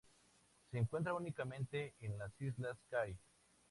Se encuentra únicamente en las islas Kai.